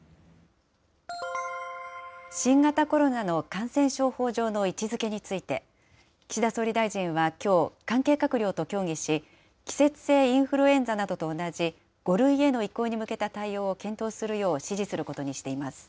新型コロナの感染症法上の位置づけについて、岸田総理大臣はきょう、関係閣僚と協議し、季節性インフルエンザなどと同じ５類への移行に向けた対応を検討するよう指示することにしています。